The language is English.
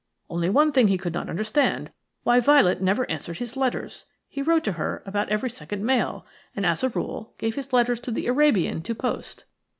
Only one thing he could not understand – why Violet never answered his letters. He wrote to her about every second mail, and, as a rule, gave his letters to the Arabian to post.